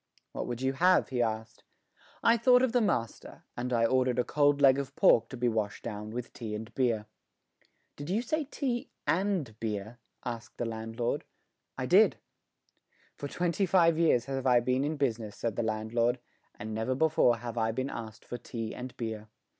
"What would you have?" he asked. I thought of the master, and I ordered a cold leg of pork to be washed down with tea and beer. "Did you say tea and beer?" asked the landlord. "I did." "For twenty five years have I been in business," said the landlord, "and never before have I been asked for tea and beer."